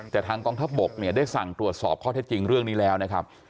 แต่ทางกองทัพบกเนี่ยได้สั่งตรวจสอบข้อเท็จจริงเรื่องนี้แล้วนะครับ